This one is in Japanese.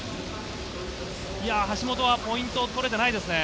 橋本はポイントとれてないですね。